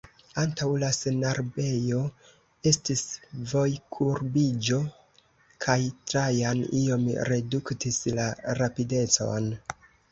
Antaŭ la senarbejo estis vojkurbiĝo kaj Trajan iom reduktis la rapidecon.